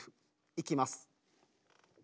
いいきます。